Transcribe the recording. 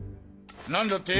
何だって？